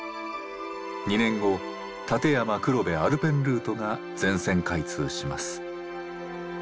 ２年後立山黒部アルペンルートが全線開通します。